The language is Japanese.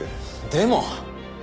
でも。